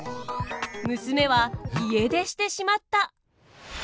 娘は家出してしまった！